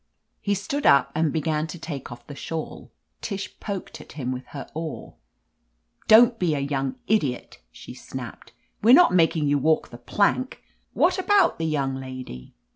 He stood up and began to take off the shawl. Tish poked at him with her oar. "Don't be a young idiot," she snapped. "We're not making you walk the plank. What about the young lady